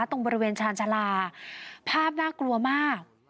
ตรงบริเวณชาญชาลาภาพน่ากลัวมาก